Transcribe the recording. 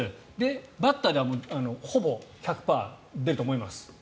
バッターではほぼ１００％ではスタメンで出ると思います。